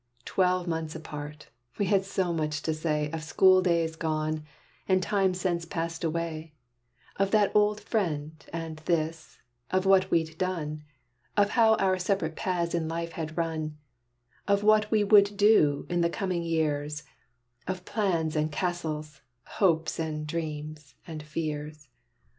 Twelve months apart, we had so much to say Of school days gone and time since passed away; Of that old friend, and this; of what we'd done; Of how our separate paths in life had run; Of what we would do, in the coming years; Of plans and castles, hopes and dreams and fears.